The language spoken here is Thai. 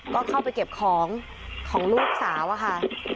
ก็เข้าไปเก็บของของลูกสาวอะค่ะ